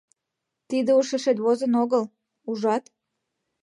Тиде ушешет возын огыл, ужат?